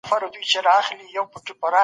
د هغه فکر بحث ته لار پرانيزي.